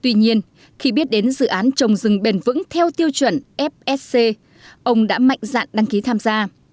tuy nhiên khi biết đến dự án trồng rừng bền vững theo tiêu chuẩn fsc ông đã mạnh dạn đăng ký tham gia